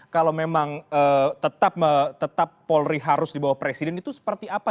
kalau memang tetap polri harus di bawah presiden itu seperti apa